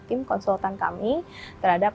tim konsultan kami terhadap